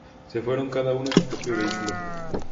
Se fueron cada uno en su propio vehículo.